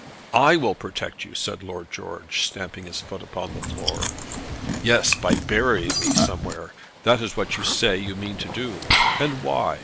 "I will protect you," said Lord George, stamping his foot upon the floor. "Yes; by burying me somewhere. That is what you say you mean to do. And why?